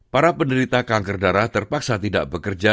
para penderita kanker darah terpaksa tidak bekerja